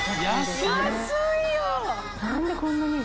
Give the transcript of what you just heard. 何でこんなに。